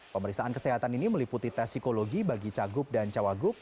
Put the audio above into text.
pemeriksaan kesehatan ini meliputi tes psikologi bagi cagup dan cawagup